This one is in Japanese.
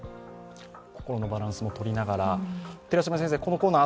心のバランスもとりながら。